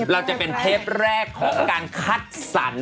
เราจะเป็นเทปแรกของการคัดสรร